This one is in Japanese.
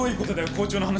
校長の話。